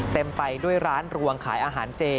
เต็มไปด้วยร้านรวงขายอาหารเจ